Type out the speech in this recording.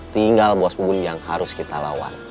tinggal bos bungun yang harus kita lawan